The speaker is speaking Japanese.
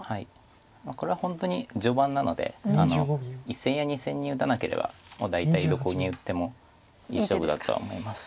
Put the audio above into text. これは本当に序盤なので１線や２線に打たなければ大体どこに打ってもいい勝負だとは思います。